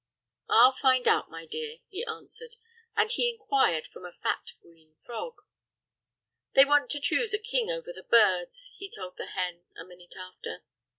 "I'll find out, my dear," he answered, and he inquired from a fat, green frog. "They want to choose a king over the birds," he told the hen, a minute after.